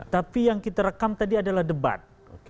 tapi yang kita rekam tadi adalah debat